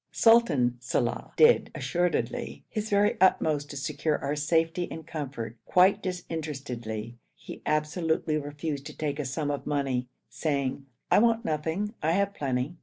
Sultan Salàh did, assuredly, his very uttermost to secure our safety and comfort, quite disinterestedly. He absolutely refused to take a sum of money, saying, 'I want nothing, I have plenty.'